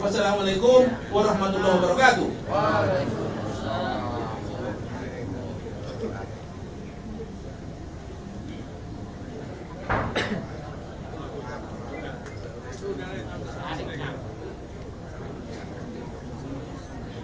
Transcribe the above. wassalamualaikum warahmatullahi wabarakatuh